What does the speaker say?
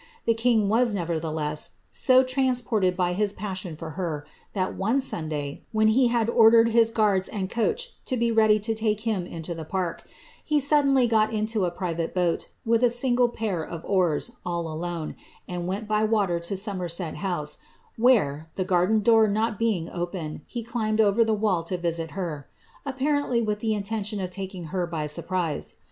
The king was, nevertheless, so id by his passion for her, that one Sunday, when he had or guards and coach to be ready to take him into the park, he got into a private boat, with a single pair of oars, all alone, by water to Somerset House, where, the garden door not being climbed over the wall to visit her,* apparently with the inten iking her by surprise.